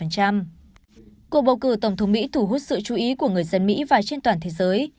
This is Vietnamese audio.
cuộc bầu cử tổng thống mỹ thu hút sự chú ý của người dân mỹ và trên toàn thế giới